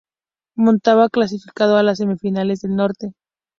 Mantova clasificado a las semifinales del Norte.